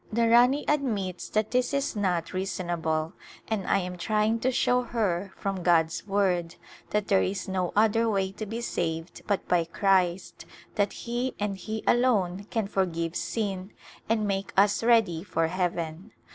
The Rani admits that this is not reason able, and I am trying to show her from God's Word that there is no other way to be saved but by Christ, that He and He alone can forgive sin and make us ready for heaven.